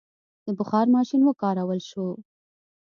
د بخار ماشین وکارول شو.